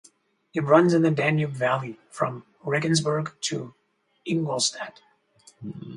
It runs in the Danube valley from Regensburg to Ingolstadt.